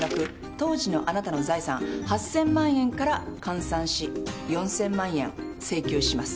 当時のあなたの財産８，０００万円から換算し４，０００万円請求します。